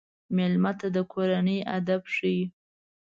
مېلمه ته د کورنۍ ادب ښيي.